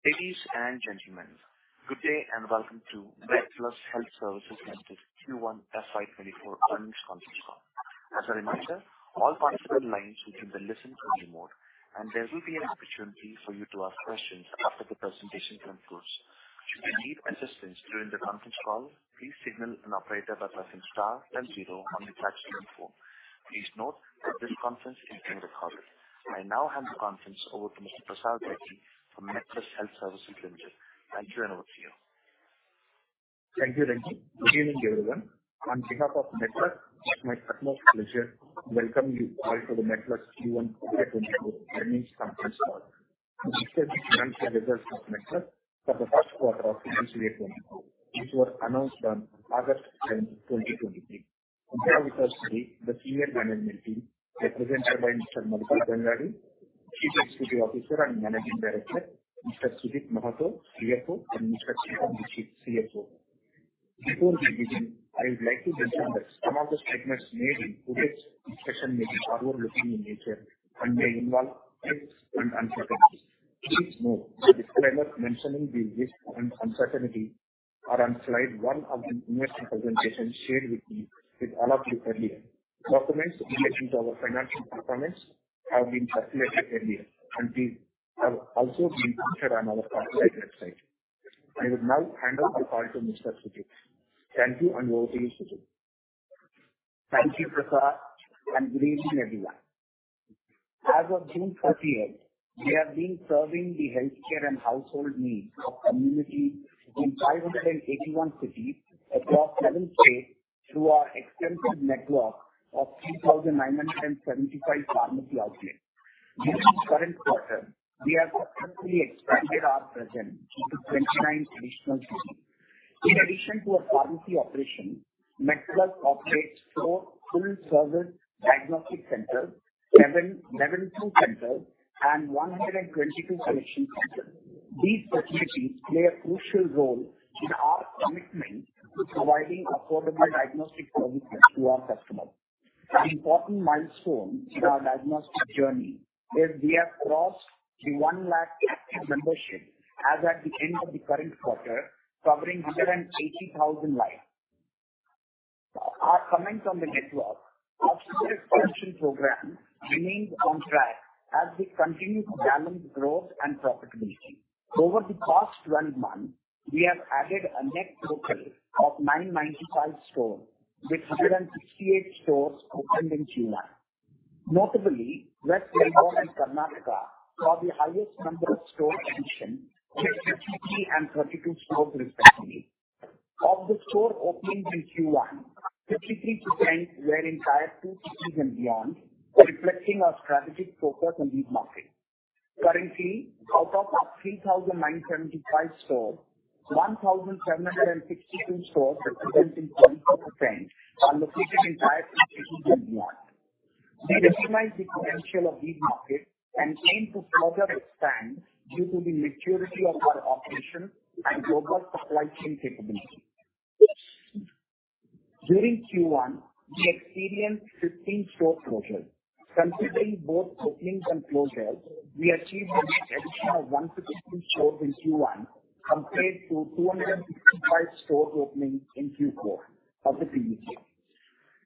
Ladies and gentlemen, good day and welcome to MedPlus Health Services Limited Q1 FY 2024 Earnings Conference Call. As a reminder, all participant lines will be placed on listen-only mode and there will be an opportunity for you to ask questions after the presentation concludes. Should you need assistance during the conference call, please signal an operator by pressing star 100 on the touch-tone phone. Please note that this conference call is being recorded. I now hand the conference over to Mr. Prasad from MedPlus Health Services Limited. Thank you. Over to you. Thank you, Ranjan. Good evening everyone. On behalf of MedPlus, it's my utmost pleasure to welcome you all to the MedPlus Q1 2024 earnings conference call for the first quarter of 2023 which were announced on August 10, 2023. The senior management team represented by Mr. Madhukar Gangadi, Chief Executive Officer and Managing Director Mr. Sujit Mahato, CFO, and Mr. Chetan Dikshit, CSO. Before we begin, I would like to mention that some of the statements made in this discussion may be forward-looking in nature and may involve risks and uncertainties. Please note the disclaimer mentioning the risks and uncertainties are on slide one of the investor presentations shared with all of you. Earlier documents relating to our financial performance have been circulated earlier and these have also been posted on our website. I will now hand over the call to Mr. Sujit. Thank you. And over to you, Sujit. Thank you, Prasad, and good evening, everyone. As of June 30, we have been serving the healthcare and household needs of communities in 581 cities across seven states through our extensive network of 3,975 pharmacy outlets. During the current quarter, we have successfully expanded our presence to 29 additional cities. In addition to our pharmacy operation, MedPlus operates four full-service diagnostic centers, Level 2 Centers and 122 collection centers. These facilities play a crucial role in our commitment to providing affordable diagnostic services to our customers. An important milestone in our diagnostic journey is we have crossed the 100,000 active membership as at the end of the current quarter covering 180,000 lives. Our comment on the network remains on track as we continue to balance growth and profitability. Over the past 12 months we have added a net total of 995 stores with 168 stores opened in Q1. Notably, West Bengal and Karnataka saw the highest number of store additions with 53 and 32 stores respectively. Of the store openings in Q1, 53% were in Tier 2 cities and beyond. Reflecting our strategic focus in these markets. Currently, out of our 3,975 stores, 1,762 stores representing 22% are located in Tier 2 cities and beyond. We recognize the potential of these markets and aim to further expand due to the maturity of our operations and global supply chain capabilities. During Q1 we experienced 15 store closures. Considering both openings and closures, we achieved an addition of 153 stores in Q1 compared to 265 store openings in Q4 of the previous year.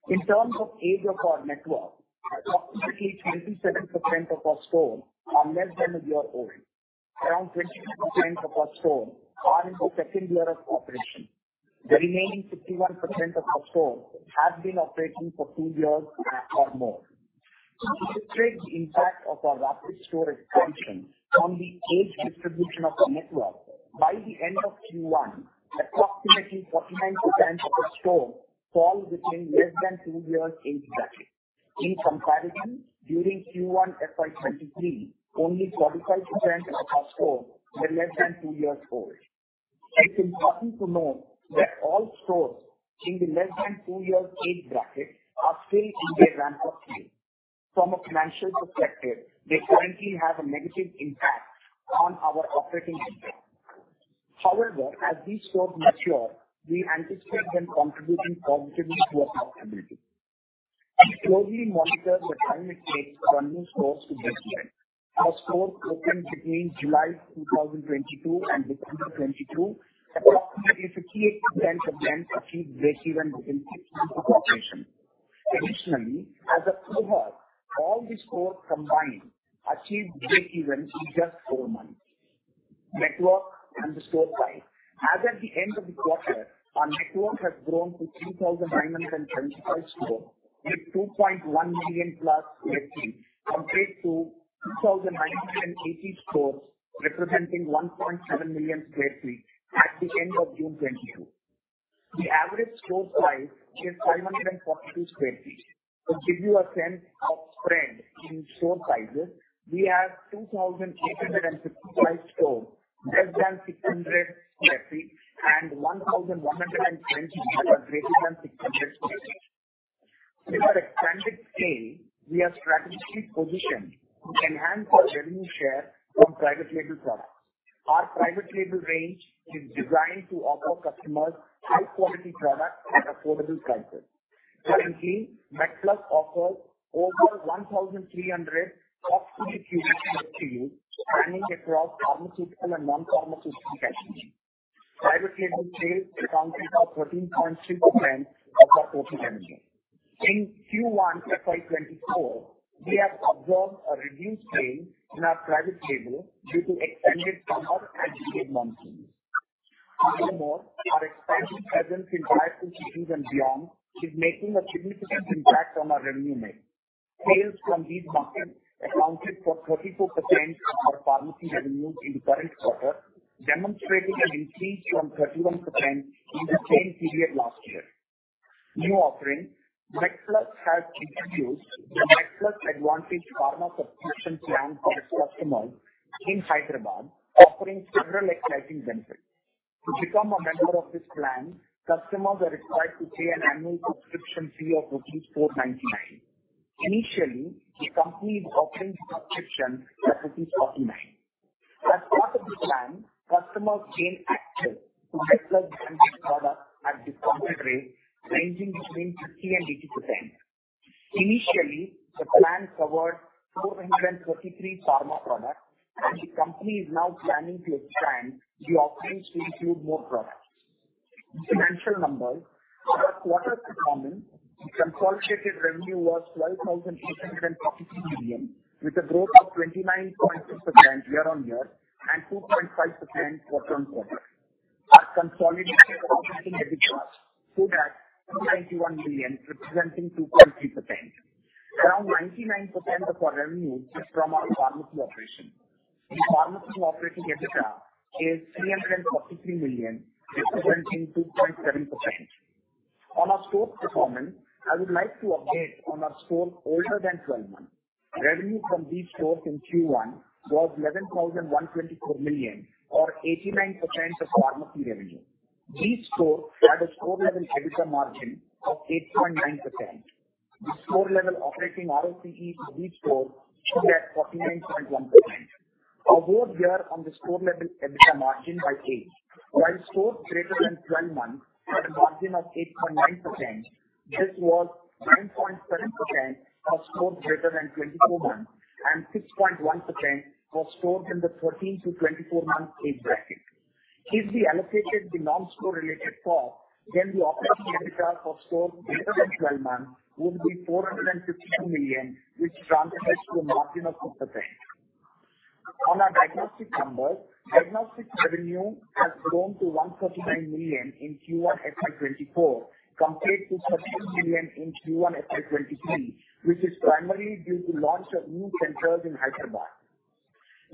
In terms of age of our network, approximately 27% of our stores are less than a year old. Around 52% of our store are in the second year of operation. The remaining 51% of our stores have been operating for two years or more. To illustrate the impact of our rapid store expansion on the age distribution of the network, by the end of Q1, approximately 49% of the stores fall within less than two years in bracket. In comparison, during Q1, FY 2023 only 45% of our scores were less than two years old. It's important to note that all stores in the less than two years age bracket are still in their ramp up [phase]. From a financial perspective, they currently have a negative impact on our operating EBITDA. However, as these stores mature, we anticipate them contributing positively to our profitability. We closely monitor the time it takes for new stores to breakeven. Our stores opened between July 2022 and 2022. Approximately 58% of those achieved breakeven within. Six months of operation. Additionally, as a cohort, all the stores combined achieved breakeven in just four months. Now, the store base as at the end of the quarter, our network has grown to 3,975 stores with 2.1 million-plus square feet compared to 2,980 stores representing 1.7 million square feet. At the end of June 2022, the average store size is 542 square feet. To give you a sense of spread in store sizes, we have 2,855 stores less than 600 square feet and 1,120 stores. With our expanded scale, we are strategically positioned to enhance our revenue share from private label products. Our private label range is designed to offer customers high quality products at affordable prices. Currently, MedPlus offers over 1,300 SKUs spanning across pharmaceutical and non-pharmaceutical categories. Private label sales accounted for 14.3% of our total revenue in Q1 FY 2024. We have observed a reduced sale in our private label due to extended summer and trade monitoring. Furthermore, our expanded presence in Tier 2 cities and beyond is making a significant impact on our revenue mix. Sales from these markets accounted for 34% of our pharmacy revenues in the current quarter, demonstrating an increase from 31% in the same period last year. New offering MedPlus has introduced the MedPlus Advantage subscription plan for its customers in Hyderabad offering several exciting benefits. To become a member of this plan, customers are required to pay an annual subscription subscription fee of rupees 499. Initially the company is offering the subscription at rupees 49. As part of the plan, customers gain access to medicine products at discounted rates ranging between 50%-80%. Initially the plan covered 433 pharma products and the company is now planning to expand the offerings to include more products. Financial numbers for quarter performance. The consolidated revenue was 12,843 million with a growth of 29.2% year-on-year and 2.5% quarter-on-quarter. INR 91 million representing 2.3%. Around 99% of our revenue is from our pharmacy operation. The pharmacy operating EBITDA is INR 343 million representing 2.7% on our store performance. I would like to update on our stores older than 12 months. Revenue from these stores in Q1 was 11,124 million or 89% of pharmacy revenue. These stores had a store level EBITDA margin of 8.9%. The store level operating ROCE for these stores stood at 49.1% as before year-on-year the store level EBITDA margin by 8 while stores greater than 12 months had a margin of 8.9%. This was 9.7% for stores greater than 24 months and 6.1% was stored in the 13 to 24 month age bracket. If we allocated the non store related cost then the operating would be 452 million which translates to a margin of 2% on our diagnostic numbers. Diagnostic revenue has grown to 139 million in Q1 FY24 compared to 13 million in Q1 FY 2023 which is primarily due to launch of new centers in Hyderabad.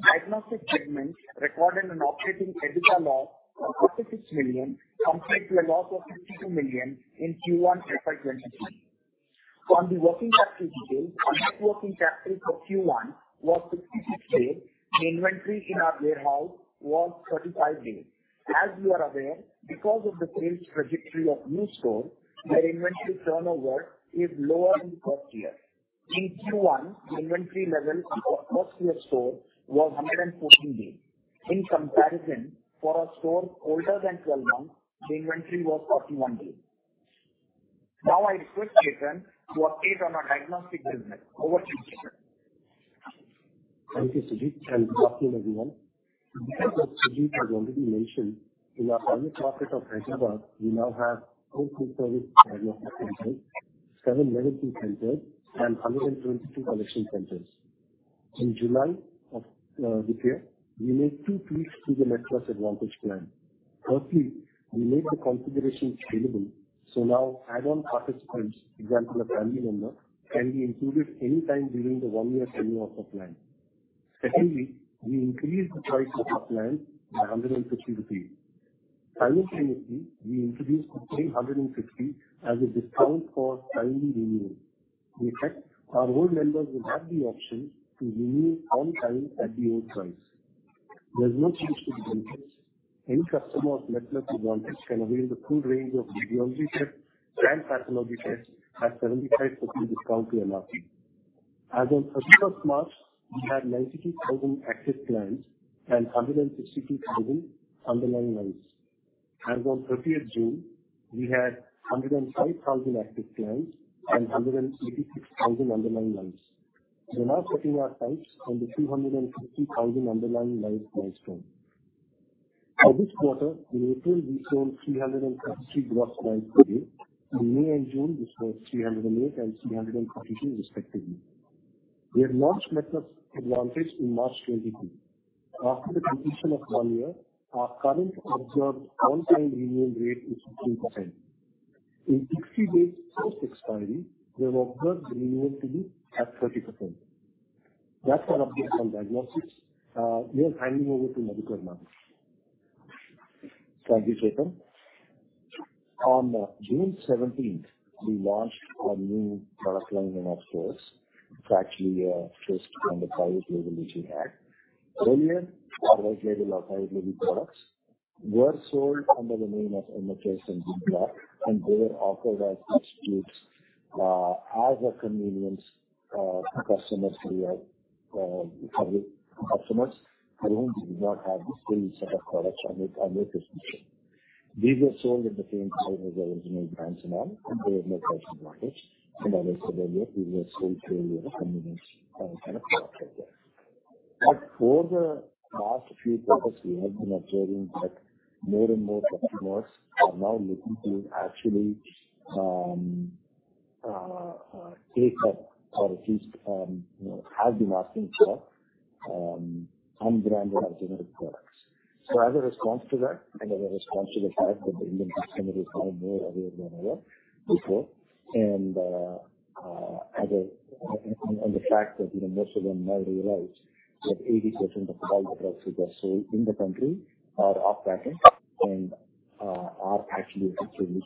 Diagnostic segment recorded an operating EBITDA loss of 46 million compared to a loss of 52 million in Q1 FY23. On the working capital details our net working capital for Q1 was 66 days. The inventory in our warehouse was 35 days. As you are aware because of the. Sales trajectory of new stores, their inventory. Turnover is lower in the first year. In Q1 the inventory level for first. Year store was 114 days. In comparison, for a store older than 12 months, the inventory was 41 days. Now I request Chetan to update on our diagnostic business. Over to you, Chetan. Thank you Sujit and good afternoon everyone. Because Sujit has already mentioned in our pilot market of Hyderabad we now have two full-service diagnostic centers, seven Level 2 centers and 122 collection centers. In July of this year we made two tweaks to the MedPlus Advantage plan. Firstly, we made the configuration scalable so now add-on participants. For example, a family member can be included anytime during the one year of the plan. Secondly, we increased the price of our plan by 150 rupees. Simultaneously we introduced the same 160 as a discount for timely renewal. In effect our old members will have the option to renew on time at the old price, there's no change to the benefits. Any customer of MedPlus Advantage can avail the full range of diagnostic tests and pathology tests at 75% discount to MRP. As on 31 March we had 92,000 active clients and 162,000 underlying lines. As on 30 June we had 105,000 active clients and 186,000 underlying lives. We are now setting our sights on the 250,000 underlying lines milestone for this quarter. In April we sold 333 gross lines per day. In May and June this was 308 and 343 respectively. We have launched MedPlus Advantage in March 2022 after the completion of one year. Our current observed on-time renewal rate is 15%. In 60 days post-expiry we have observed renewal to be at 30%. That's an update on diagnostics we are handing over to Madhukar now. Thank you Chetan. On June 17th we launched a new product line in app stores. It's actually first on the private label which we had earlier. Products were sold under the name of MHS and Wynclark and they were offered as substitutes as a convenience to customers for whom we did not have the same set of products under the mainstream. These were sold at the same time as the original brands and all and there was no pricing difference. As I said earlier, these are some fallback and kind of for the last few quarters we have been observing that more and more customers are now looking to actually take up or at least have been asking for unbranded alternative products. So as a response to that and as a response to the fact that the Indian customer is now more aware than ever before and the fact that most of them now realize that 80% of all the drugs that are sold in the country are off-patent and are actually with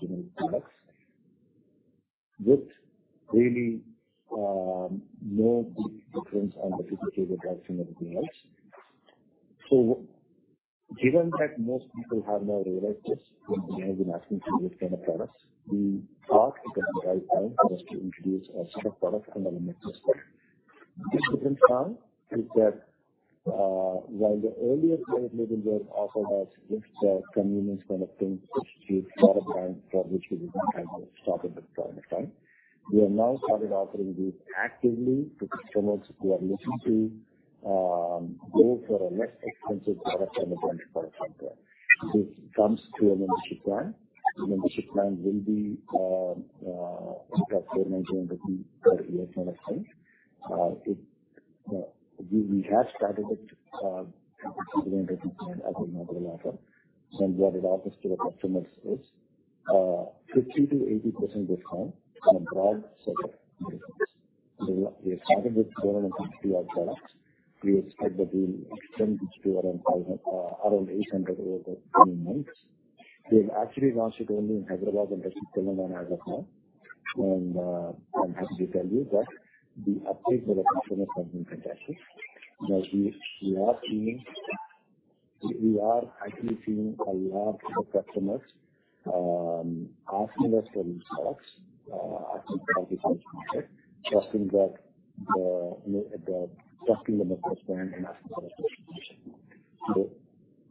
really no big difference on the patented drugs and everything else. So given that most people have now realized this, they have been asking for this kind of products, we thought it was the right time for us to introduce our products. And the main difference now is that while the earlier private labels were offered as just the convenience kind of things substitute for a brand for which we stock in this product. Right. We have now started offering these actively to customers who are looking to go for a less expensive product from the branded product. This comes through a membership plan. The membership plan will be. We have started it. What it. Offers to the customers is 50%-80% discount on a broad set of. We have started with products. We expect that we'll extend this to around 800 over the coming months. We have actually launched it only in Hyderabad and as of now and I'm happy to tell you that the uptake for the customers have been fantastic. We are actually seeing a lot of customers asking us for these products. So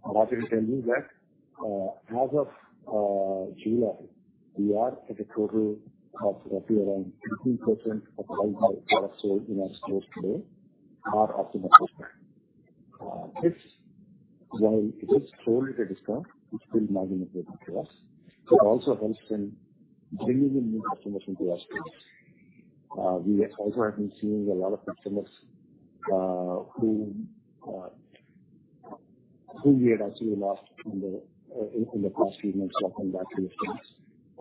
what it will tell me that as of July we are at a total of roughly around 15% of products sold in our stores today are optimal. This while it is solid, it's still magnificent to also help in bringing in new customers into our space. We also have been seeing a lot of customers who we had actually lost in the past few months.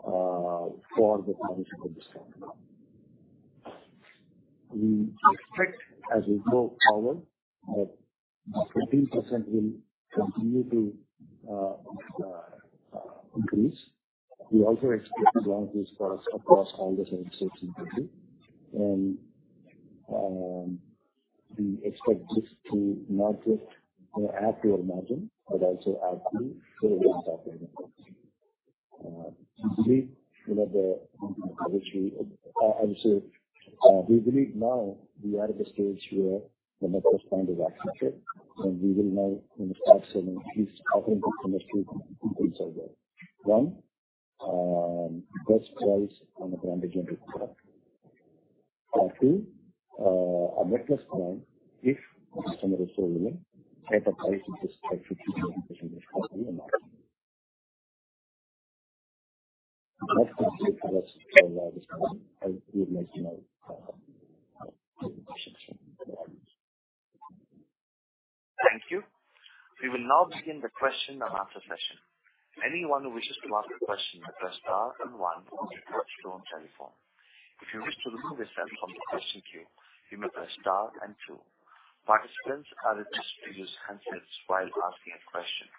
For the foundation of this we expect as we go forward that 15% will continue to. We also expect to launch these products across all the services and we expect this to not just add to our margin but also add to. We believe now we are at the stage where the [MedPlus point] is accepted and we will now start selling customers to one best price on a branded generic product. Part two, a MedPlus point. If customer is. I would like to know. Thank you. We will now begin the question and answer session. Anyone who wishes to ask a question press star and one on the touch-tone telephone. If you wish to remove yourself from the question queue you may press star and two. Participants are requested to use handsets while asking a question.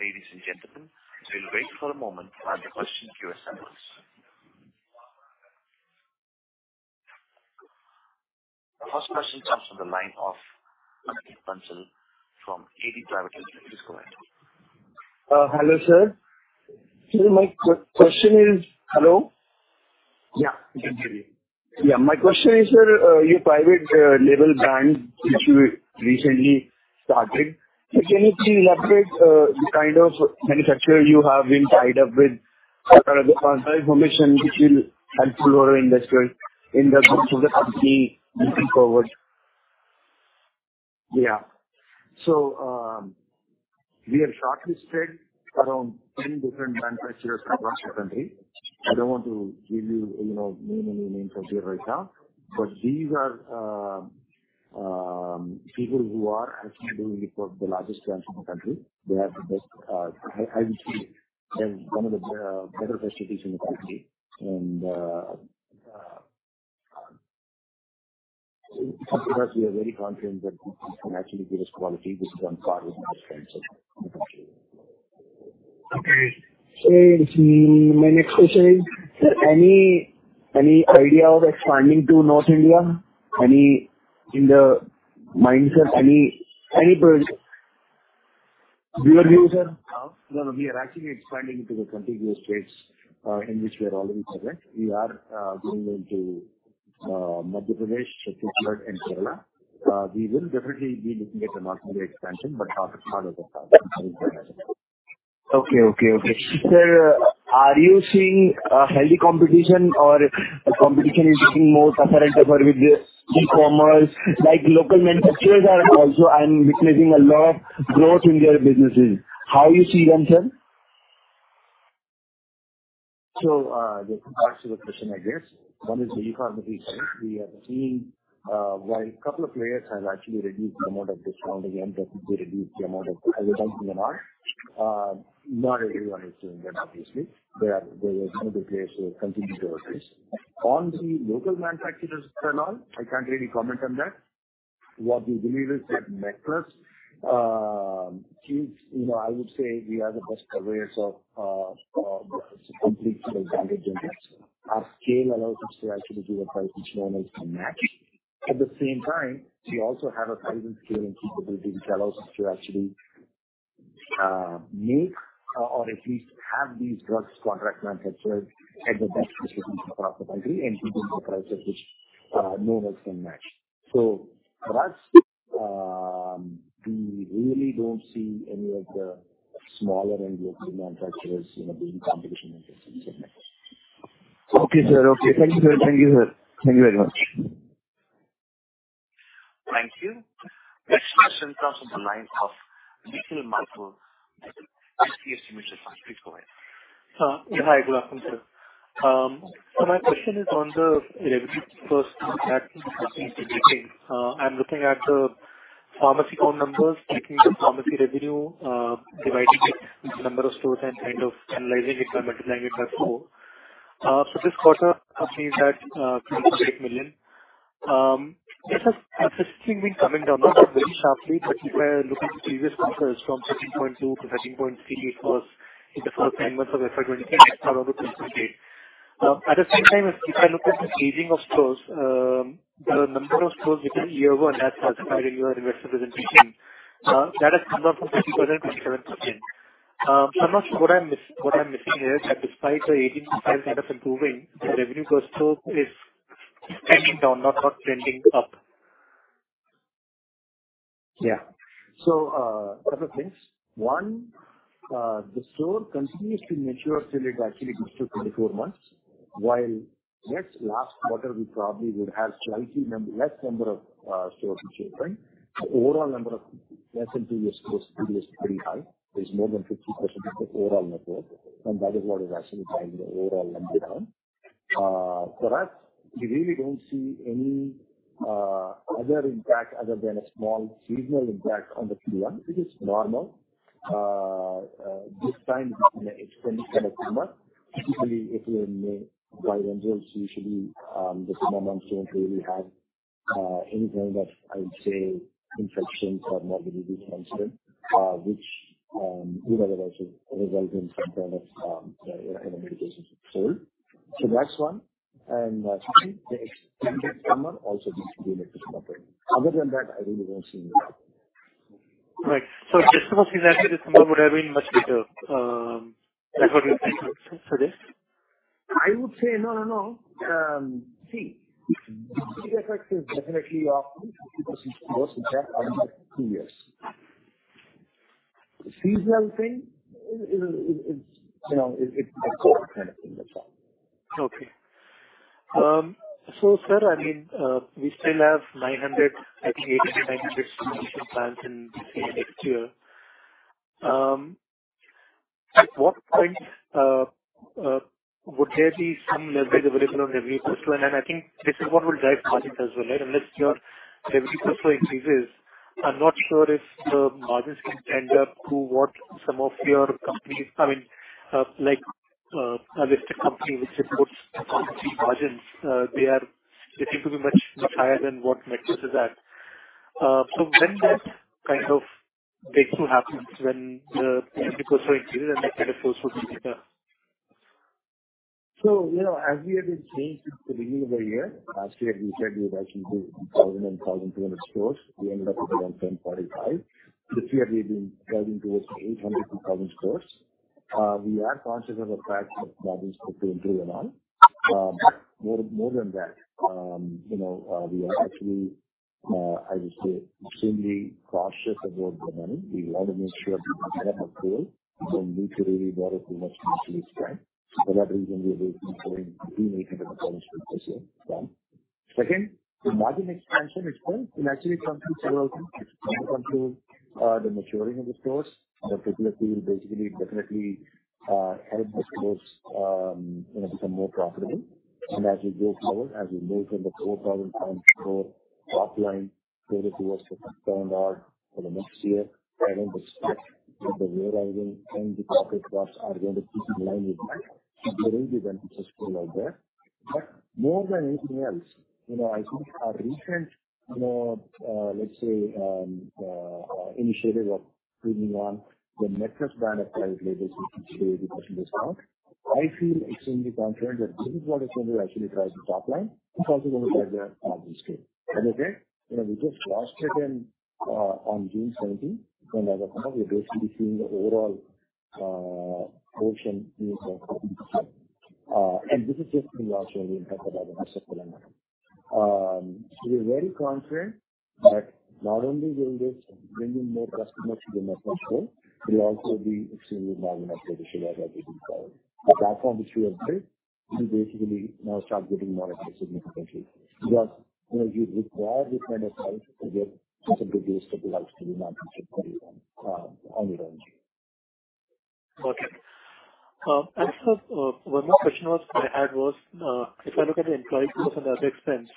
Ladies and gentlemen, we'll wait for a moment as the question queue assembles. The first question comes from the line of Ankit Bansal from Avendus Capital. Please go ahead. Hello, sir, my question is. Hello. Yeah, yeah. My question is your private label brand. Which you recently started. Can you elaborate the kind of manufacturer? You have been tied up with information. Which will help investors in the growth of the company moving forward? Yeah. So we have shortlisted around 10 different manufacturers across the country. I don't want to give you, you know, name any names out here right now, but these are people who are actually doing for the largest brands in the country. They have. I would say they have one of the better facilities in the country and. We are very confident that can actually give us quality which is on par with. Okay, my next question is: any idea of expanding to North India? Any in the mindset? Any project. We are actually expanding into the contiguous states in which we are already present. We are going into. We will definitely be looking at the North India expansion. Okay. Sir, are you seeing a healthy competition or a competition is looking more tougher and tougher with the e-commerce like local manufacturers are also. I'm witnessing a lot. Of growth in their businesses. How you see them sir? So there are two parts to the question I guess. One is the e-commerce we have seen while a couple of players have actually reduced the amount of discounting and reduced the amount of. Not everyone is doing that. Obviously there are dealers who continue to increase on the local manufacturers and all. I can't really comment on that. What we believe is that MedPlus you know I would say we are the best surveyors of complete interest. Our scale allows us to actually give a price which no one else can match. At the same time we also have a size and scale and capabilities to actually make or at least have these drugs contract manufactured at the best across the country and keeping the prices which no one else can match. So for us we really don't see any of the smaller and local manufacturers. Okay sir. Okay. Thank you sir. Thank you sir. Thank you very much. Thank you. Next question comes from the line of Nikhil Mathur. Hi, good afternoon sir. So my question is on the revenue first. I'm looking at the pharmacy count numbers, taking the pharmacy revenue, dividing the number of stores and kind of analyzing it by multiplying it by four. So this quarter, company's at 8 million. This has been coming down not very sharply but if I look at the previous quarters from 13.2 million-13.3 million it was in the first nine months of FY 2020. At the same time if I look at the aging of stores the number of stores because Year 1 has classified in your investor presentation that has come down from 20%-27%. So I'm not sure what I missed what I'm missing here that despite the 18 kind of improving the revenue per store is trending down. Not. Not trending up. Yeah. So couple of things. One, the store continues to mature till it actually goes to 24 months. While yet last quarter we probably would have slightly less number of store features. Right. Overall number of less than two years pretty high. It is more than 50% of the overall network and that is what is actually driving the overall number down for us. We really don't see any other impact other than a small seasonal impact on the Q1 which is normal this time extended typically if you're in May by rentals usually the two months don't really have any kind of I would say infections or morbidity concern which would otherwise result in some kind of medication. So that's one and other than that I really don't see. Right. So just would have been much better. That's what you take out for this, I would say. No, no, no. See. Seasonal thing, you know it's a cold. Kind of thing, that's all. Okay. So sir, I mean we still have 900, I think 800 plans in next year. At what point would there be some leverage available on revenue post two and I think this is what will drive market as well. Unless your revenue portfolio increases I'm not sure if the margins can end up to what some of your companies I mean like a listed company which supports margins they are getting to be much, much higher than what MedPlus is at. So when that kind of breakthrough happens when the credit for. So you know. As we have been saying since the. Beginning of the year last year, we said we had actually 1,000 and 1,200 stores. We ended up with around 1,045 the year we've been driving towards 800-2,000 stores. We are conscious of the fact that to improve EBITDA more than that, you know, we are actually, I would say, extremely cautious about the money we want to make sure. Second, the margin expansion is going to naturally control several things. The maturing of the stores, the frictional will basically definitely help the stores become more profitable. As we go forward, as we move from the INR 4,000 per store top line further towards the next year. But more than anything else, you know, I think our recent, let's say, initiative of two in-house brand private labels, I feel extremely confident that this is what is going to actually drive the top line. It's also going to drive the margin scale. We just launched the second on June 17th. We're basically seeing the overall traction, and this is just. We're very confident that not only will this bring in more customers to the MedPlus store, it'll also benefit the platform which we have built; it will basically now start getting monetized significantly because, you know, you require this kind of to get simply stabilized to the online. Got it. One more question I had was, if I look at the employee and other expenses,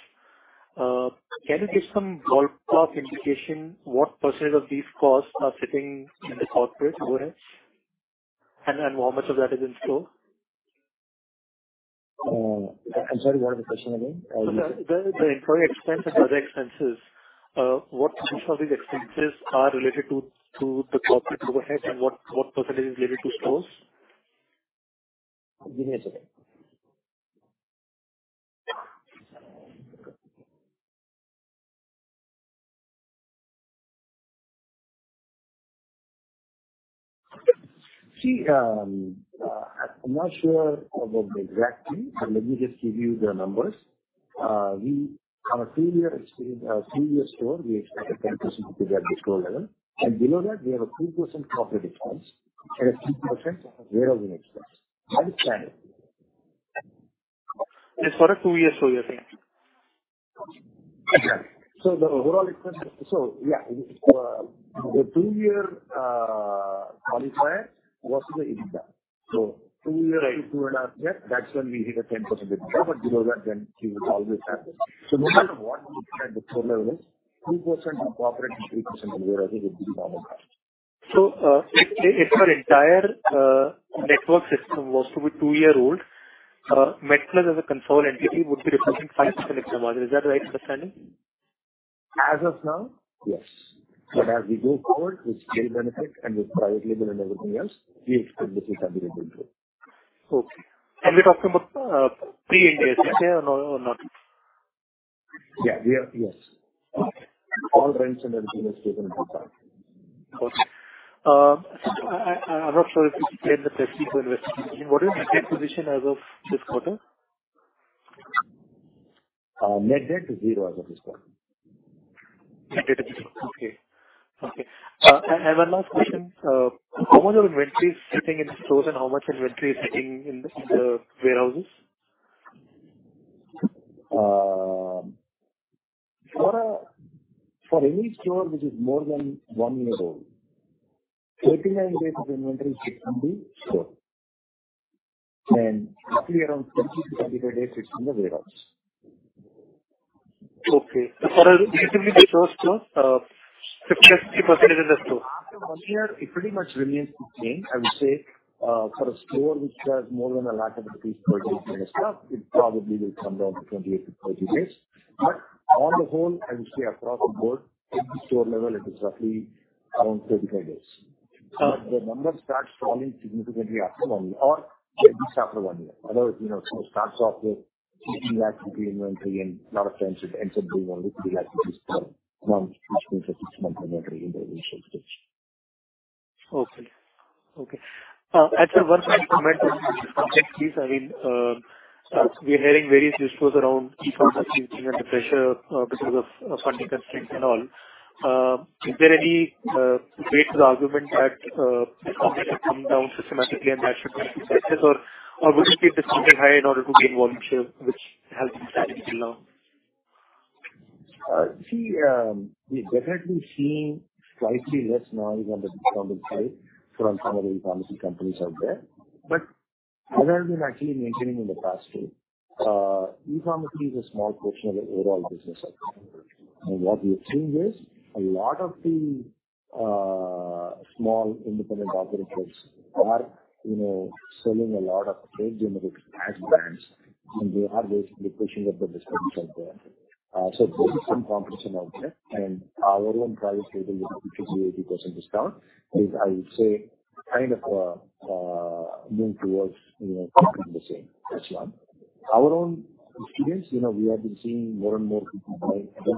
can you give some ballpark indication what percentage of these costs are sitting in the corporate overheads, and how much of that is in store? I'm sorry, one of the question again. The employee expense and other expenses. What of these expenses are related to the corporate overhead and what percentage is related to stores? See, I'm not sure about the exact thing, but let me just give you the numbers. We have a two-year, two-year store, we expect a 10% and below that we have a 3% corporate expense and a 3% expense for a two-year store. You're saying. So, overall. So yeah, the two-year qualifier was two years to 2.5 years. That's when we hit 10%. So no matter what. So if your entire network system was to be two-year-old MedPlus as a consolidated entity would be representing 5% extra margin. Is that the right understanding? As of now, yes. But as we go forward with scale benefit and with private label and everything else. Okay. We're talking about pre-India or no or not. Yeah. Yes, all rents and everything is taken. Okay. I'm not sure if you explain the debt. What is the position as of this quarter? Net debt zero as of this quarter. Okay. Okay. I have one last question. How much of inventory is sitting in the stores and how much inventory is sitting in the warehouses? For any store which is more than one unit, 39 days of inventory sits in the store and around 70-35 days sits in the warehouse. Okay. After one year it pretty much remains the same. I would say for a store which does more than a lakh of INR per day kind of stuff, it probably will come down to 28-30 days. But on the whole I would say across the board at the store level it is roughly around 35 days. So the number starts falling significantly after only or at least after one year. Otherwise you know, starts off with 16 lakh rupee inventory and a lot of times it ends up being only 3 lakh rupees per month which means a six month inventory in the initial stage. Okay. Okay. I mean, we're hearing various discussions around e-tailing and the pressure because of funding constraints and all. Is there any way that the ARPU can come down systematically and that should or would you keep this high-end? Order to gain volume share which has. Been standing till now? See, we definitely seeing slightly less noise on the side from some of the pharmacy companies out there. But as I've been actually mentioning in. the past too, e-commerce is a small portion of the overall business and what we're seeing is a lot of the small independent operators are selling a lot of traded generics as brands and they are basically pushing up the direction there. So there is some competition out there and our own private label with 50%-80% discount is I would say kind of move towards, you know, the same. Our own experience, you know, we have been seeing more and more people buying. Thank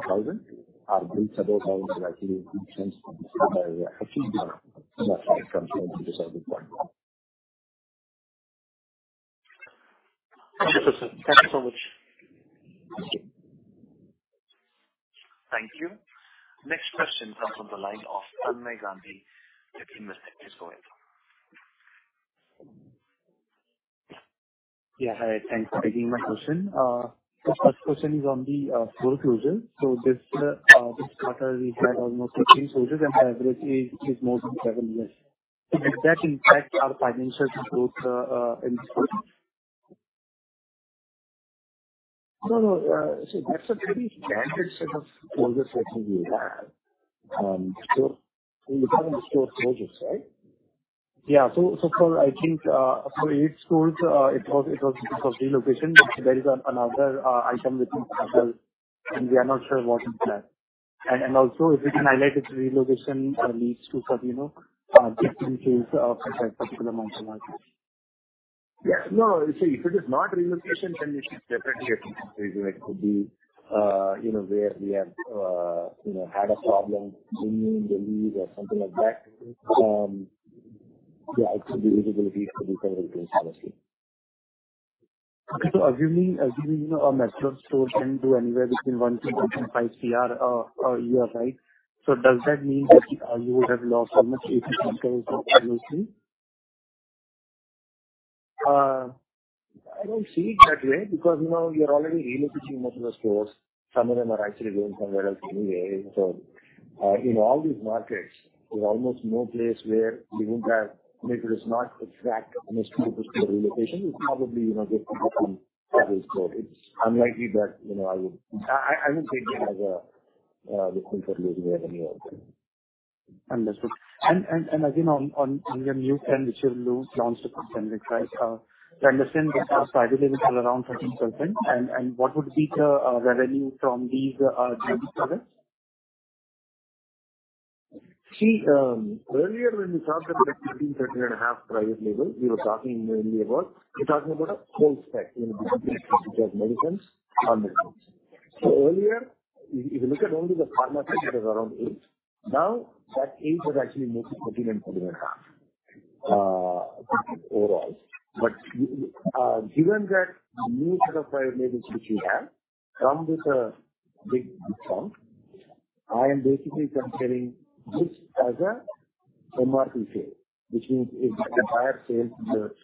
you so much. Thank you. Next question comes from the line of Tanmay Gandhi. Yeah. Hi. Thanks for taking my question. The first question is on the foreclosures. So this quarter we had almost 15 closures and the average age is more than seven years. Did that impact our financial? No, no. See, that's a very candid set of older sections. You have store closures, right? Yeah, so for, I think for. eight stores it was, it was relocation. There is another item which is, and we are not sure what is that. And also if we can highlight relocation leads to, for, you know. Yes. No, if it is not relocation, then you should differentiate the, you know, where we have, you know, had a problem or something like that. Yeah, it should be visibility. Okay, so assuming, you know, a. Metro store can do anywhere between 1 crore-1.5 crore a year. Right. So does that mean that you would have lost so much 80 cents? I don't see it that way because, you know, you're already relocating most of the stores. Some of them are actually going somewhere else anyway. So in all these markets there's almost no place where we would have. If it is not exact relocation, you probably get. It's unlikely that, you know, I would take them as a losing revenue. Understood. And again, on your new trend, which you launched. Right. We understand that our private labels are around 13%. What would be the revenue from these products? See, earlier when we talked about 13.5 private label, we were talking mainly about a whole specific. So earlier if you look at only the pharmacy of around eight, now that has actually made it 13 and 14.5 overall. But given that new set of private labels which we have come with a big discount, I am basically comparing this as a MRP sale, which means if the entire sales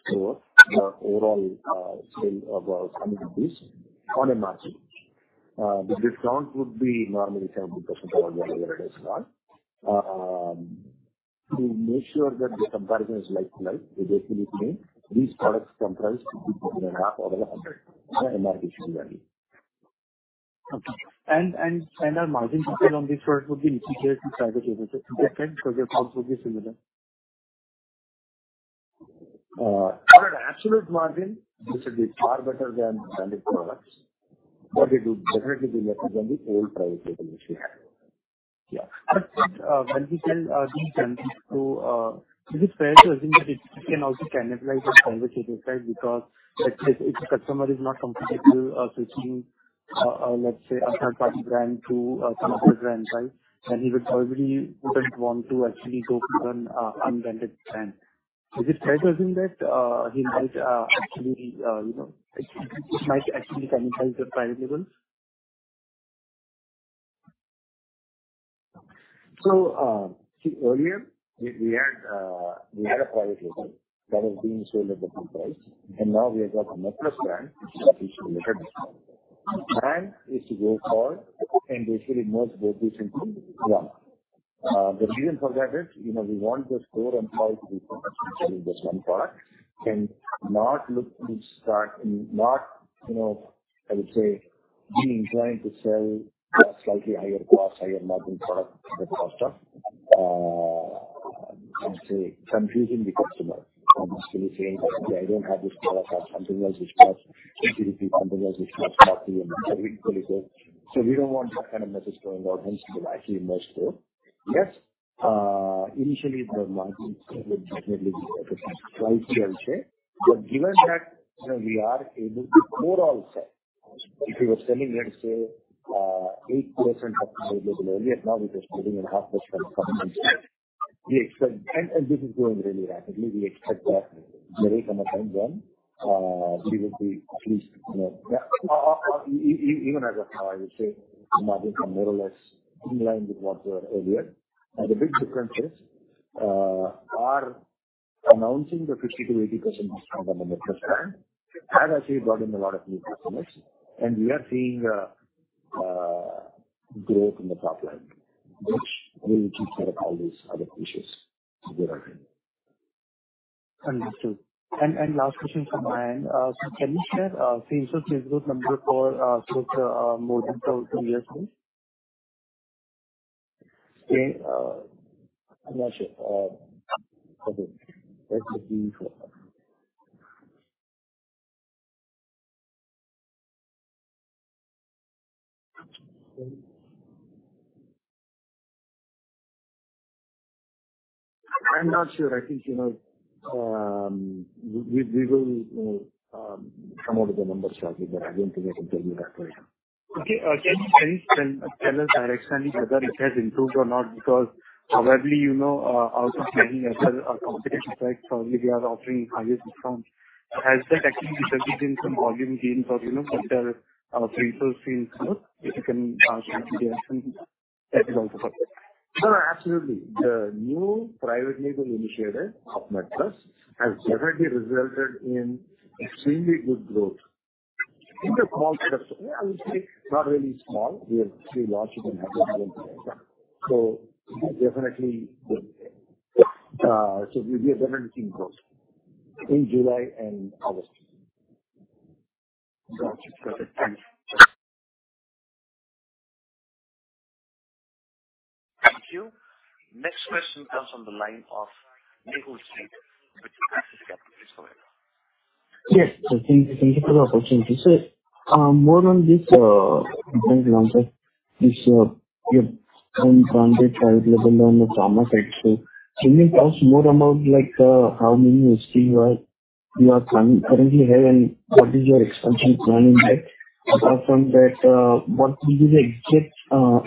score, the overall sale of on MRP, the discount would be normally 70% or whatever. To make sure that the comparison is like right. We basically. These products comprise. Okay. And our margin on this would be private because your would be similar. Absolute margin. This would be far better than branded products. Yeah. When we tell these countries to is. It's fair to assume that it can. Also, cannibalize because if the customer is not comfortable switching, let's say, a third-party brand to some other brand, right? Then he would probably wouldn't want to actually go to an unbranded brand. Is it fair to say that he might actually, you know, it might actually penalize the private labels. So, see, earlier we had, we had a private label that is being sold at the price, and now we have got the MedPlus brand to go forward and basically merge both this into one. The reason for that is, you know, we want this four and five to be just one five product and not look to start, not, you know, I would say, be inclined to sell slightly higher-cost, higher-margin product. The cost, say, of confusing the customer, basically saying, yeah, I don't have this product or something else. So we don't want that kind of message going out. Hence, yes, initially the market, but given that we are able to more than offset. If we were selling, let's say 8%. And this is going really rapidly, we expect that we would be at least even at 1,000. I would say margins are more or less in line with what we earlier. The big difference is our announcing the 50%-80% discount on the MedPlus Mart have actually brought in a lot of new customers and we are seeing growth in the top line which will take care of all these other issues. Understood. Last question from my end. Can you share number? I'm not sure. I think you know we will come out of the numbers shortly but I don't think I can tell you that right now. Okay. Can you tell us directly whether it has improved or not? Because probably you know out of many other competitive effects probably we are offering highest discounts. Has that actually resulted in some volume gains or you know better? Absolutely. The new private label initiative plus has definitely resulted in extremely good growth. I would say not really small. We have three large, so definitely, so we are definitely seeing growth in July and August. Thank you. Next question comes on the line of Mehul Sheth with Axis Capital. Yes, thank you for the opportunity. More on this. Can you talk more about like how many you are currently having, what is your expansion plan in that? Apart from that, what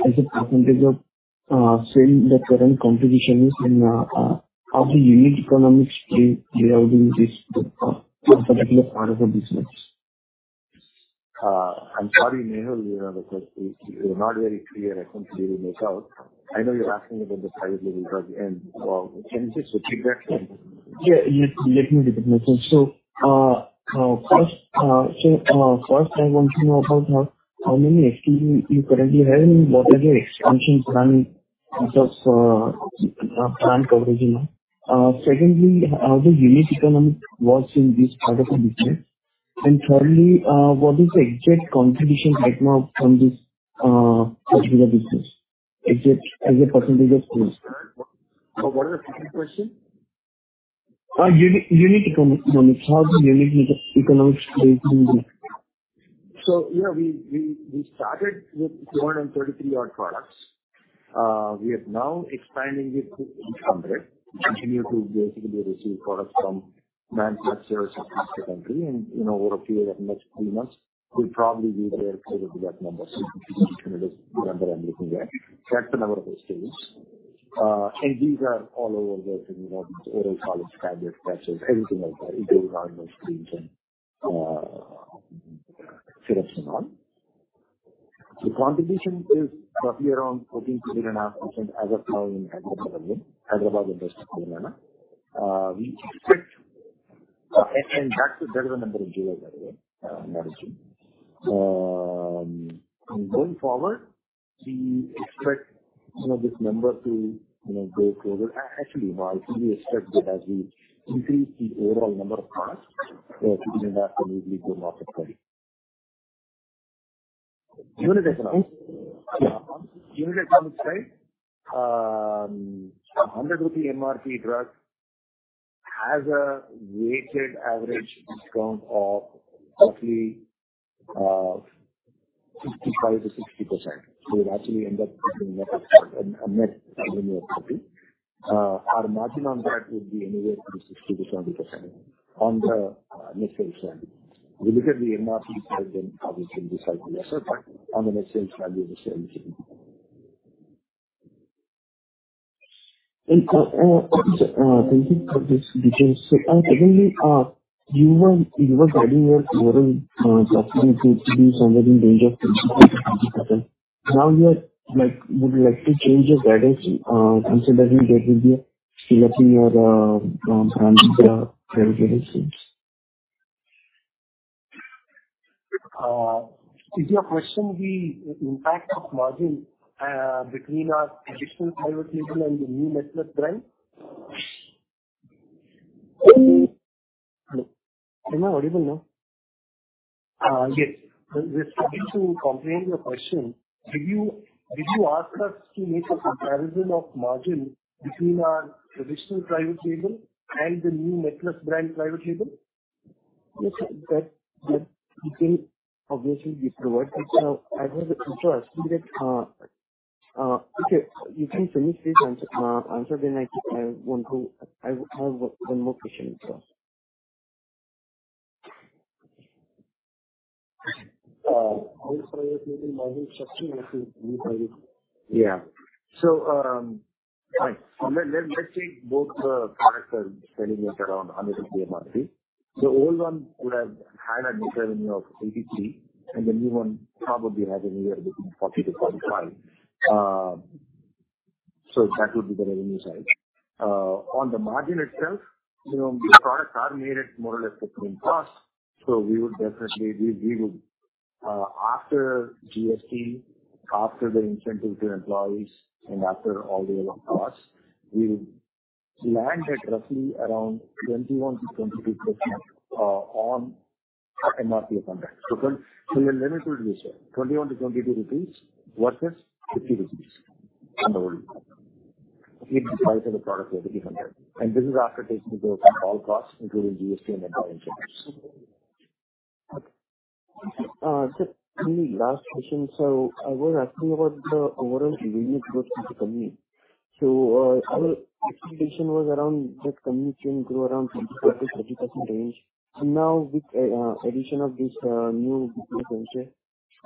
as a percentage of same the current competition is and of the unit economics part of a business. I'm sorry, you're not very clear. I can't really make out. I know you're asking about the private end. Can you just repeat that? Yeah, let me repeat my thing. First, I want to know about how many you currently have and what are your expansions, run of plant coverage. You know, secondly, how the unit economic was in this part of the business. Thirdly, what is the exact competition? Right now from this particular business exit as a percentage of what is the second question unit economics how unit economics so yeah we started with 233-odd products we are now expanding it to 800 continue to basically receive products from manufacturers across the country and over a period of next two months we probably be there closer to that number I'm looking at that's the number of states and these are all over. And all the contribution is roughly around 14.5% as of now in Hyderabad we expect and that is a number of jewels by the way going forward we track some of this number to you know go forward actually as we increase the overall number of market. Unit economics, right. 100 rupee MRP drug has a weighted average discount of roughly 65%-60%, so we'll actually end up our margin on that would be anywhere from 60%-70% on the net sales. Look at the MRP side then obviously on the net sales value. If you were guiding your. Now you are like would like to change your guidance considering there will be filling your. Is your question the impact of margin? Between our traditional and the new method. Am I audible now? Yes, we do comprehend your question. You did you ask us to make. A comparison of margin between our traditional. Private Label and the new necklace brand private label. Obviously. Okay, you can finish this answer, then I want to. I have one more question. Yeah, so let's take both products are selling at around 150 MRP. The old one would have had a, and the new one probably has anywhere between 40-45, so that would be the revenue side. On the margin itself, you know, the products are made at more or less the same cost, so we would definitely after GST, after the incentive to employees, and after all the other costs, we land at roughly around 21%-22% on MRP contract. So, your margin will be, sir, INR 21-INR 22, which is 50% of the product, and this is after taking all costs including GST and entire. Last question, so I was asking about the overall various groups of the community, so our expectation was around that community can grow around 25%-30% range now with addition of this new business venture.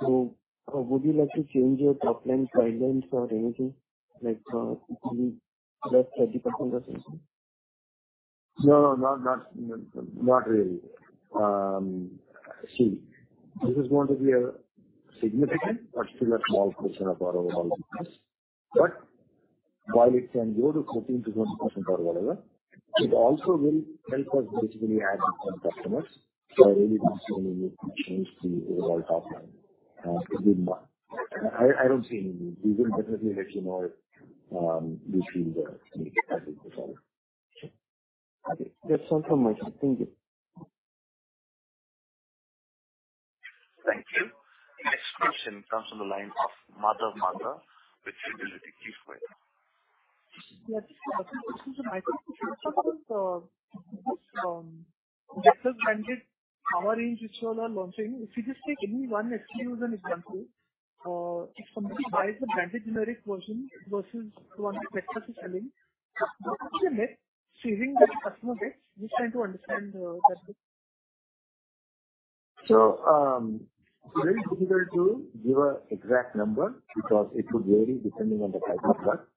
So would you like to change your top line guidelines or anything like that? No, not. Not really. See, this is going to be a significant but still a small portion of our overall business. But while it can go to 14%-20% or whatever, it also will help us basically add some customers. So I really don't need to change the overall top line. I... I don't see any need. We will definitely let you know if we feel the need to solve. Okay, that's all from my. Thank you. Next question comes from the line of Madhav Marda with Fidelity. Power range which you all are launching. If you just take any one SKU as an example. If somebody buys the branded generic version versus the one best is selling. Just trying to understand. So it's very difficult to give an exact number because it could vary depending on the type of product.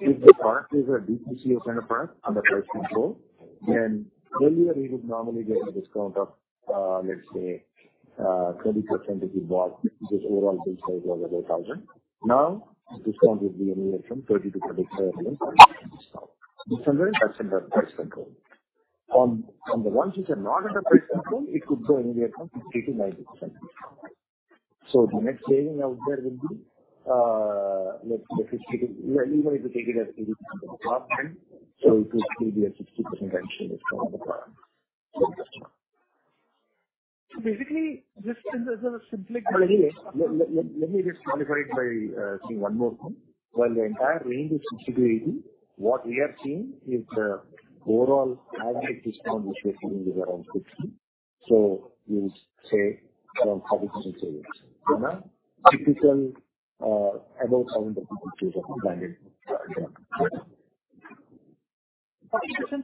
If the product is a DPCO kind of product under price control then earlier we would normally get a discount of let's say 30%. If you bought this enrollment now discount would be anywhere from 30%-20% of price control. On the ones which are not under price control it could go anywhere from 50%-90%. So the net saving out there will be even if you take it as so it will still be a 60%. So basically just simplic. Anyway, let me just say one more thing. While the entire range is 60, what we are seeing is the overall average discount which we are seeing is around 60. So we say around 40% savings. Typical about. 40%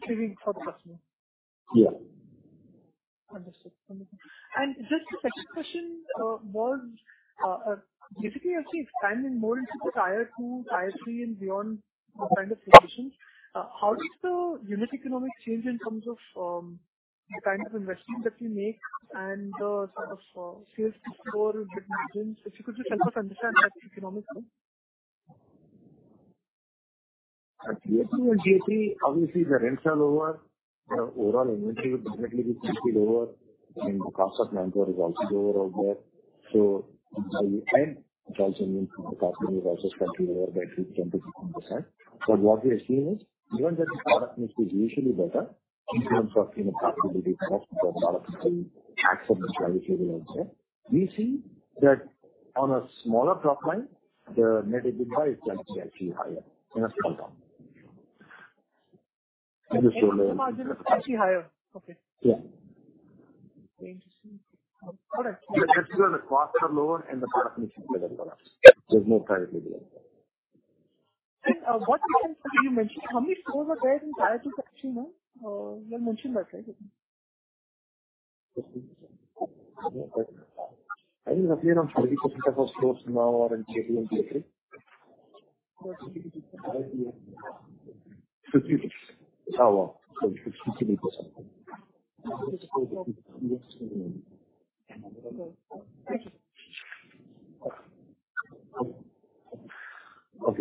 saving for the customer. Yeah, understood. Just the second question was basically actually expanding more into the Tier 2 Tier 3 and beyond kind of discussions. How does the unit economics change in terms of the kind of investment that we make and sort of sales per store. If you could just help us understand that economics. And gat. Obviously the rents are lower. The overall inventory would definitely be 50 lower and the cost of manpower is also lower out there. So it also means the cost is also slightly lower by 10%-15%. But what we have seen is given that the product mix is usually better in terms of profitability, we see that on a smaller top line the net EBITDA is going to be actually higher. Okay, yeah. The costs are lower and. The more private label. You mentioned how many stores are there in prior to? Okay,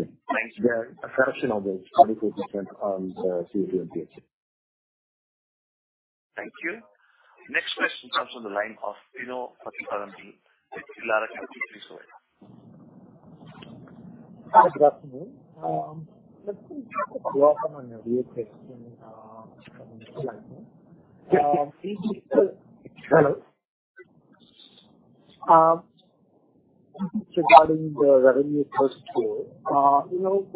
thanks. There's a fraction of this on the [Tier 2 and Tier 3]. Thank you. Next question comes from the line of Bino Pathiparampil with Elara Capital. Regarding the revenue. You know,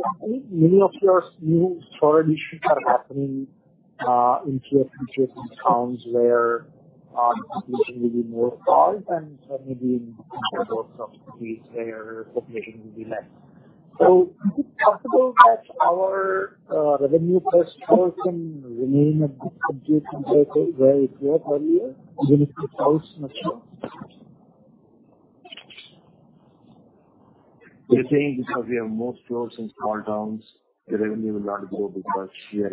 many of your new stores. Are happening in towns where population will be more stars and maybe their population will be less. Is it possible that our revenue per store can remain a bit constant? Compared to where it was earlier? Even if the. We think because we have more stores and small towns the revenue will not grow because yeah,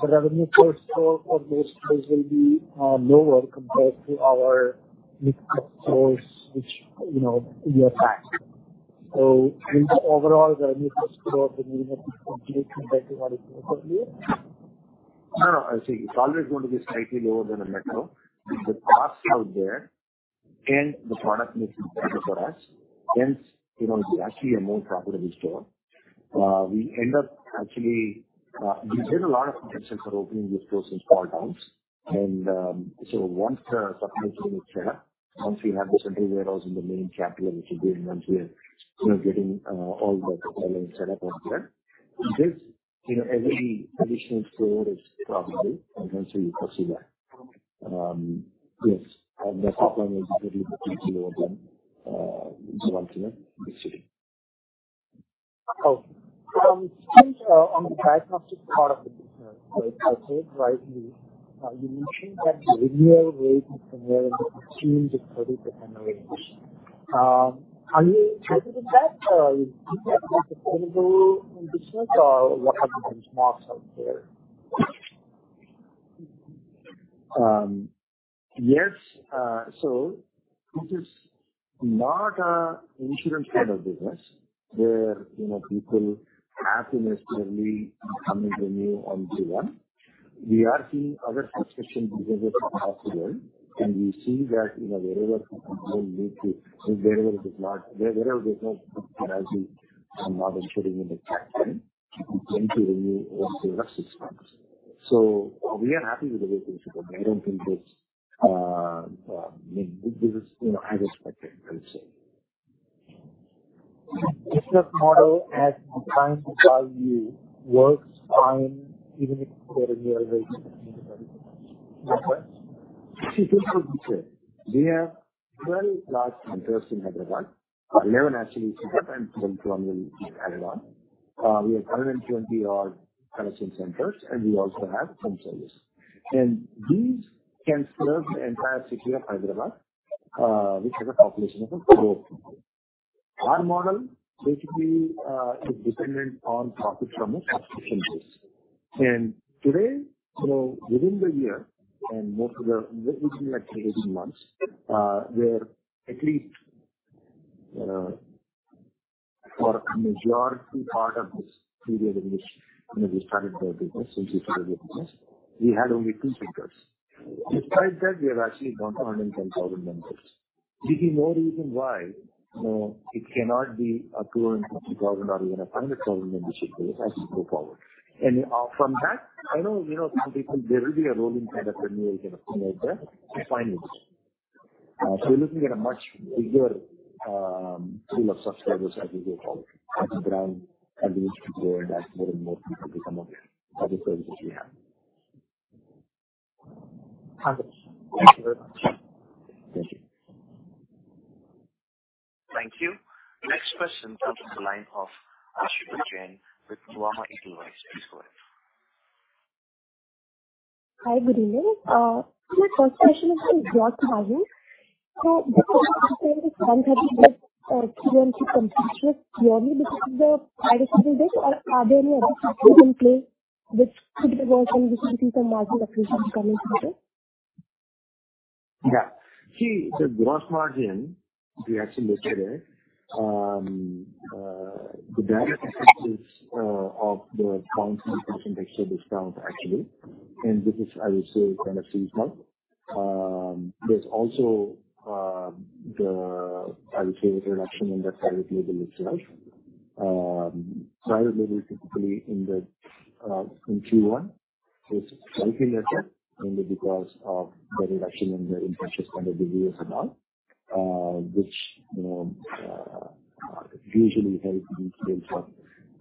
the revenue per store for most stores will be lower compared to our stores which you know, we operate. So overall revenue. No, no, I see it's always going to be slightly lower than a metro the costs out there and the product mix makes it better for us. Hence you know it's actually a more profitable store. We end up actually we see a lot of potential for opening the stores and small towns and so once the supply chain is set up, once we have the central warehouse in the main capitals which again once we are getting all the setup, you know, every additional store is profitable. Yes. On the diagnostic part of the business, you mentioned that. Teams to 30% range. Are you happy with that? Or, what are the benchmarks out there? Yes. So, this is not an insurance kind of business where, you know, people have to necessarily come to new MedPlus. We are seeing our subscription businesses possible and we see that, you know, wherever there's not including in the cat. So, we are happy with the way things. I don't think this is, you know, as expected. I would say business model at times value works fine even if there's a new. We have 12 large centers in Hyderabad, 11 actually, and now we have 120-odd collection centers and we also have home services and these can serve the entire city of Hyderabad which has a population of. Our model basically is dependent on profit from a subscription basis and today, so within the year and most of the 18 months, where at least for a majority part of this period in which we started the business. Since we started the business, we had only two figures. Despite that, we have actually gone to 110,000 members. We see no reason why it cannot be a 250,000 or even a 500,000 membership as we go forward. From that I know you know. Some people there will be a rolling kind of renewal kind of thing out there to find. So we're looking at a much bigger pool of subscribers as we go forward as the brand continues to grow and more and more people become aware that the services we have. Thank you very much. Thank you. Thank you. Next question comes from the line of Aashita Jain with Nuvama. Please go ahead. Hi, good evening. My first question is [on gross margin], which could be the worst and we should see some market. Yeah. See the gross margin. We actually look at it the direct of the discount actually and this is I would say kind of seasonal. There's also the. I would say reduction in that private label itself private label typically in the in Q1 is slightly lesser only because of the reduction in the infectious kind of disease and all which you know usually help sales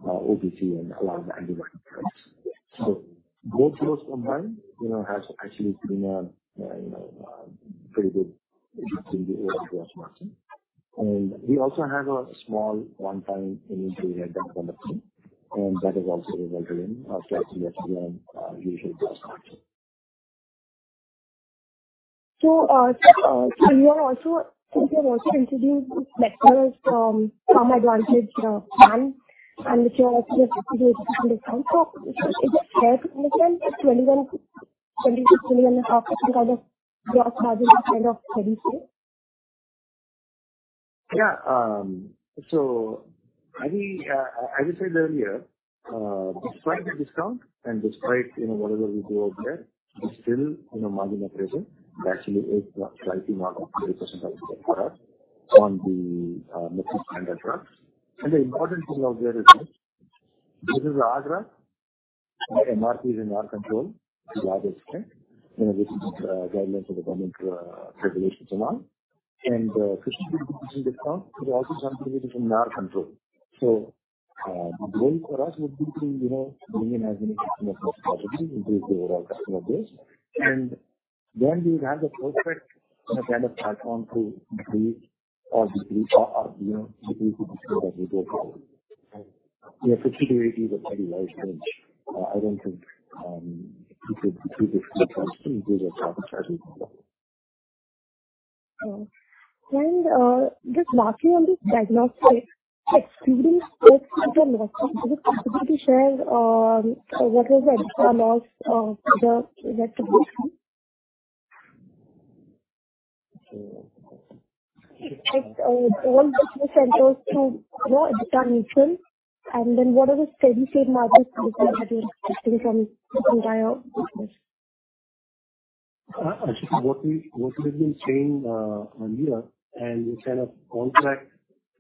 of OTC and antibiotics. So both those combined you know has actually been a. You know for good and we also have a small one-time and that is also resulted in slightly less than usual. You are also. You have also introduced plan and which you. Yeah, so as I said earlier, despite the discount and despite, you know, whatever we do out there, it's still, you know, margin profile actually is slightly more than on the standard drugs, and the important thing is this: there is this gray area is in our control. This is governed by the government regulations and all, and discount is also something which is in our control. So the goal for us would be. You know. Increase the overall customer base and then we would have the perfect kind of platform to be. Just asking on this diagnostics excluding, is it possible to share what was the loss? And then what are the steady state margins from this entire business. What we've been saying earlier and this kind of contract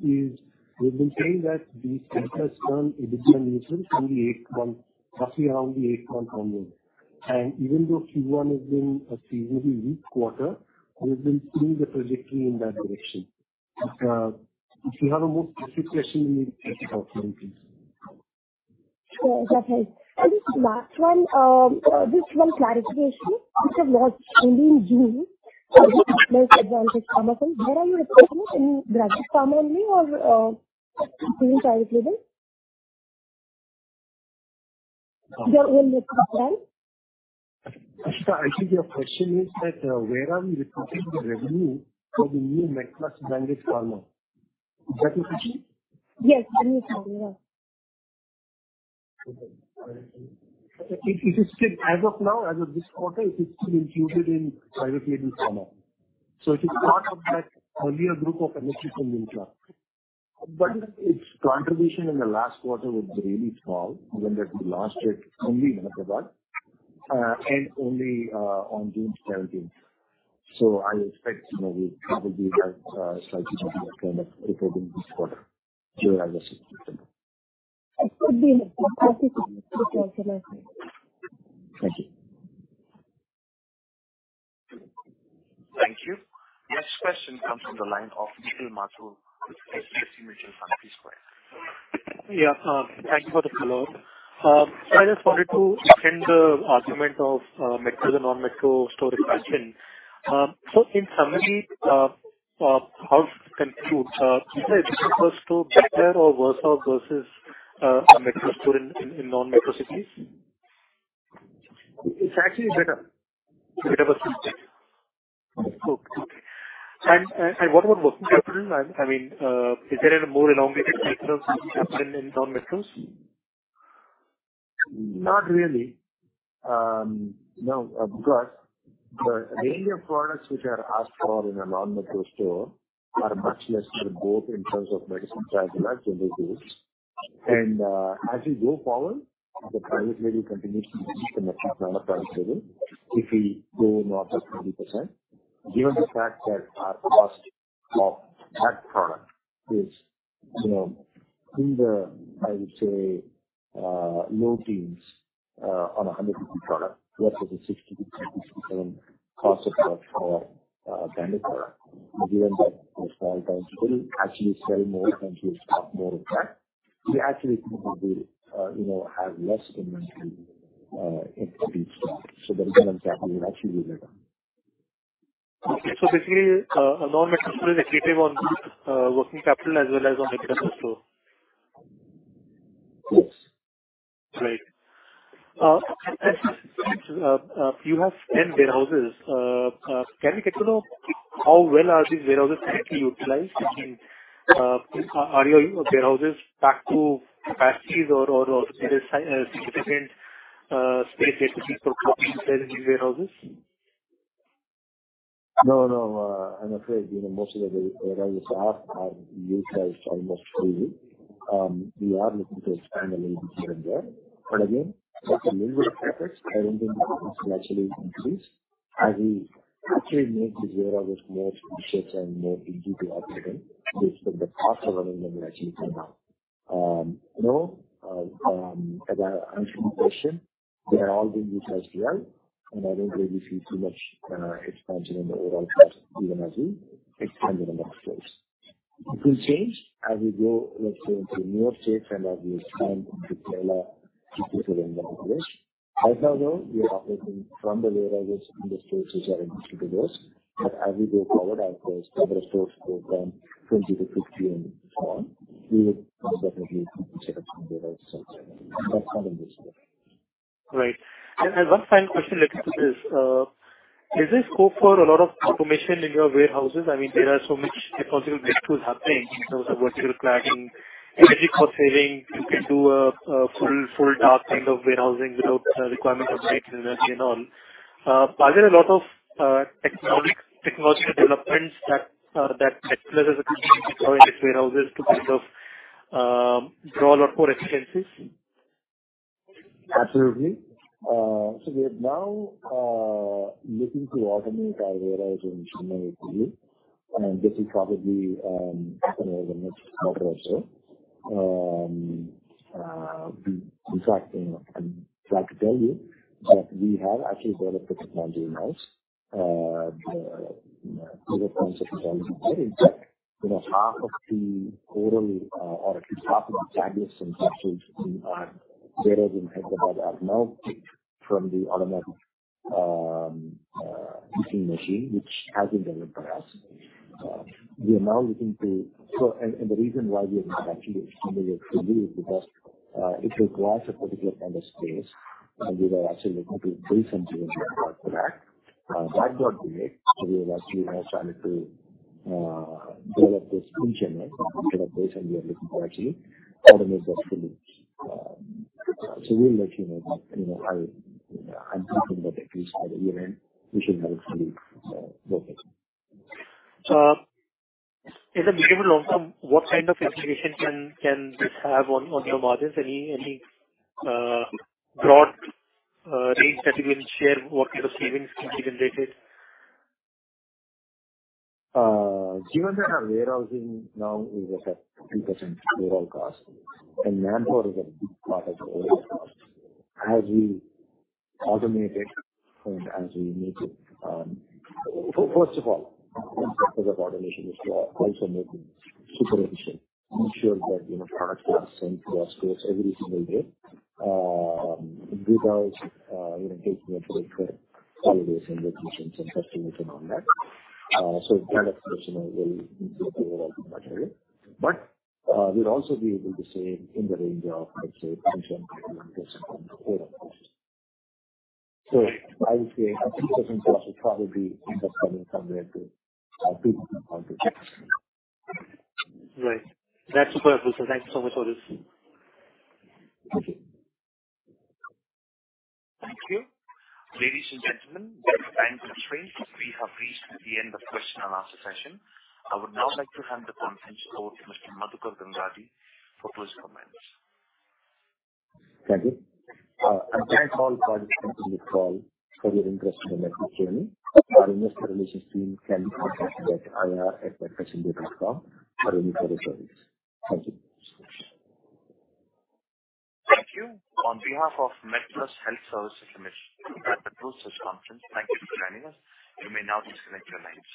is we've been saying that the state has turned a different nation to the AC eight months roughly around the 8th month onwards and even though Q1 has been a seasonally weak quarter we've been through the trajectory in that direction. If you have a more specific question. Last one, just one clarification which I was only in June. Where are you in graduate or Private Label? I think your question is that where are we reporting the revenue for the new branded pharma? Is that. Yes. It is still as of now, as of this quarter it's still included in private label. It is part of that earlier group of. But its contribution in the last quarter was really small given that we launched it only and only on June 17th. So I expect you know we probably have slightly this quarter. Thank you. Thank you. Next question comes from the line of Nikhil Mathur with HDFC. Yeah, thank you for the follow-up. So I just wanted to end the argument of metro and non-metro stores. So in summary. Our store-out versus a metro store in non-metro cities. It's actually better. What about working capital? I mean, is there any more elongated in non-metros? Not really, no. Because the range of products which are asked for in a non metro store are much less good both in terms of medicines as well as general tools and as we go forward the private label continues to be if we go north of 20%. Given the fact that our cost of that product is you know in the. I would say low teens on 150 product. What was a 60 cost of work for branded product. Given that the small towns will actually sell more than you actually, you know, have less inventory. So the return on capital will actually be better. Okay, so basically a non-metro store is accretive on working capital as well as on the store. Great. You have 10 warehouses. Can we get to know how well? Are these warehouses currently utilized? Are your warehouses back to capacities or significant space in these warehouses? No, no, I'm afraid most of the warehouses are utilized almost full. We are looking to expand a little bit here and there. But again as we actually make this web and more easy to operate. The question they are all being utilized. Well and I don't really see too much expansion in the overall as we expand the number of stores. It will change as we go let's say into newer states. And as we expand right now though we operating from the layers in the states which are. But as we go forward as 20-50 and so on, we would definitely. Right. And one final question related to this. Is there scope for a lot of automation in your warehouses? I mean there are so many technological breakthroughs happening in terms of vertical cladding, energy cost saving. You can do a full dark kind of warehousing without requirement of brick and energy and all. Are there a lot of technological developments that MedPlus has a warehouses to kind of draw a lot more expensive? Absolutely. So we are now looking to automate our warehouse in Chennai and this will probably happen over the next quarter or so. In fact, I'd like to tell you that we have actually developed a technology in-house. Half of the core of or. Data. That are now from the automatic machine which has been delivered by us. We are now looking to so and the reason why we are not actually a particular kind of space. We were actually looking to do something. To develop this in ch of this and we looking to actually automate that fully. So we'll let you know that you know, I'm thinking that at least by the year end we should have a fully. In the medium long term, what kind of implication can this have on your margins? Any. Any broad range that you can share? What kind of savings can be generated? Given that our warehousing now is at a 2% overall cost and manpower is a big part of it as we automate it and as we make it. First of all, products are sent to our stores every single day without it taking a break for holidays and all that. So, but we'll also be able to say in the range of, let's say, so I would say. Right. That's perfect. Thanks so much for this. Thank you. Ladies and gentlemen. Due to time constraints, we have reached the end of the question and answer session. I would now like to hand the conference over to Mr. Madhukar Gangadi for closing comments. Thank you. I thank all participants in the call for your interest in the MedPlus journey. Our investor relations team can be contacted for any further queries. Thank you. Thank you. On behalf of MedPlus Health Services Limited, thank you for joining us. You may now disconnect your lines.